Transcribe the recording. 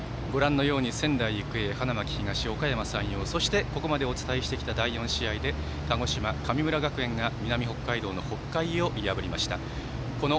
仙台育英、花巻東おかやま山陽、そしてここまでお伝えしてきた第４試合で鹿児島、神村学園が南北海道の北海を破りました。